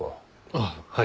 あっはい。